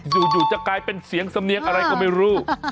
อยู่จะกลายเป็นเสียงสำเนียงอะไรก็ไม่รู้